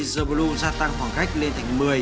the blue gia tăng khoảng cách lên thành một mươi